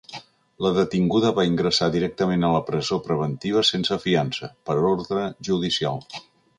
La detinguda va ingressar directament a la presó preventiva sense fiança, per ordre judicial.